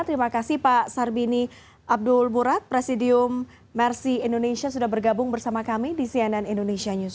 terima kasih pak sarbini abdul burat presidium mercy indonesia sudah bergabung bersama kami di cnn indonesia newsro